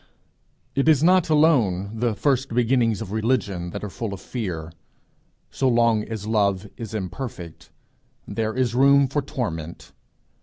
It is not alone the first beginnings of religion that are full of fear. So long as love is imperfect, there is room for torment.